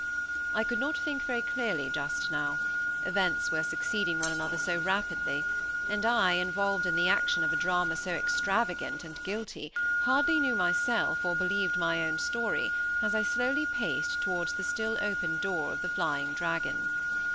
I could not think very clearly just now; events were succeeding one another so rapidly, and I, involved in the action of a drama so extravagant and guilty, hardly knew myself or believed my own story, as I slowly paced towards the still open door of the Flying Dragon.